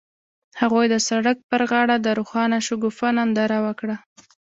هغوی د سړک پر غاړه د روښانه شګوفه ننداره وکړه.